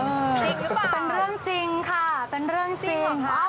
จริงหรือเปล่าเป็นเรื่องจริงค่ะเป็นเรื่องจริงจริงเหรอครับ